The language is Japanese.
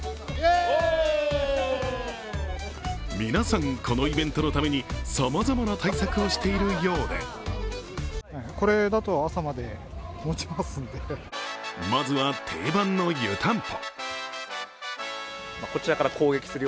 皆さん、このイベントのためにさまざまな対策をしているようでまずは、定番の湯たんぽ。